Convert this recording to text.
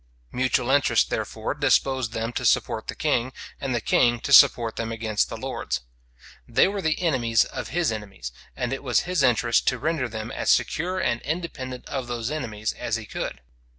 Mutual interest, therefore, disposed them to support the king, and the king to support them against the lords. They were the enemies of his enemies, and it was his interest to render them as secure and independent of those enemies as he could.